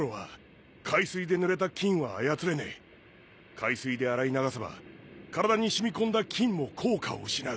海水で洗い流せば体に染み込んだ金も効果を失う。